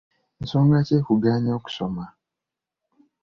Nsonga ki ekuganye okusoma?